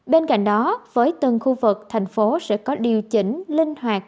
bên cạnh đó với từng khu vực thành phố sẽ có điều chỉnh linh hoạt